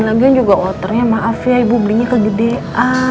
lagian juga outer nya maaf ya ibu belinya kegedean